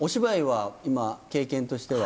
今経験としては。